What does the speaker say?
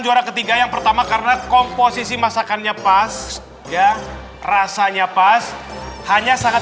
juara ketiga yang pertama karena komposisi masakannya pas ya rasanya pas hanya sangat